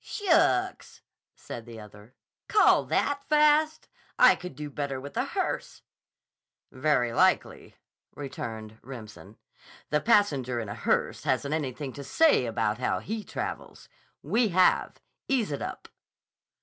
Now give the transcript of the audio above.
"Shucks!" said the other. "Call that fast? I could do better with a hearse." "Very likely," returned Remsen. "The passenger in a hearse hasn't anything to say about how he travels. We have. Ease it up."